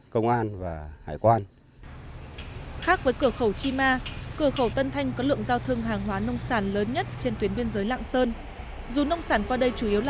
tuy nhiên cửa khẩu chima có lượng giao thương hàng hóa nông sản lớn nhất trên tuyến biên giới lạng sơn